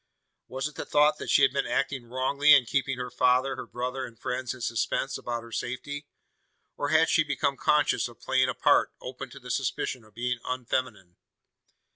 Was it the thought that she had been acting wrongly in keeping her father, her brother, and friends in suspense about her safety? Or had she become conscious of playing a part open to the suspicion of being unfeminine?